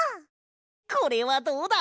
これはどうだ？